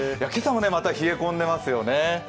今朝もまた冷え込んでますよね。